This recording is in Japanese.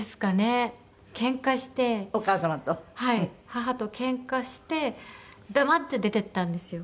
母とけんかして黙って出ていったんですよ。